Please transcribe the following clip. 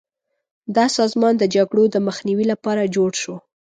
دا سازمان د جګړو د مخنیوي لپاره جوړ شو.